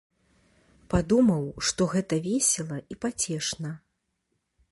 Падумаў, што гэта весела і пацешна.